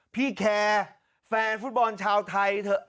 พี่แคร์แฟนฟุตบอลชาวไทยเถอะ